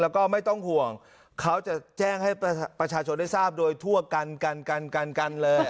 แล้วก็ไม่ต้องห่วงเขาจะแจ้งให้ประชาชนได้ทราบโดยทั่วกันกันเลย